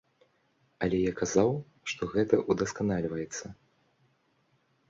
Але я казаў, што гэта удасканальваецца.